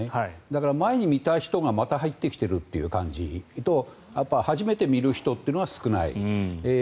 だから前に見た人がまた入ってきているという感じと初めて見る人というのは少ない。